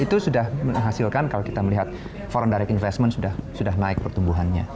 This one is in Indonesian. itu sudah menghasilkan kalau kita melihat forei direct investment sudah naik pertumbuhannya